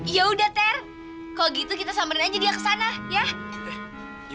yaudah ter kalau gitu kita samberin aja dia ke sana ya